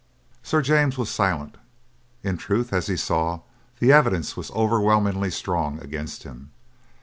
Sir James was silent. In truth, as he saw, the evidence was overwhelmingly strong against him.